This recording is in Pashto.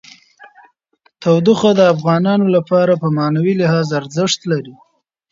تودوخه د افغانانو لپاره په معنوي لحاظ ارزښت لري.